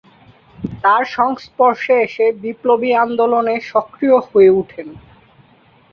তার সংস্পর্শে এসে বিপ্লবী আন্দোলনে সক্রিয় হয়ে ওঠেন।